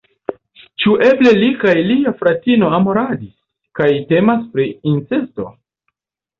Ĉu eble li kaj lia fratino amoradis, kaj temas pri incesto?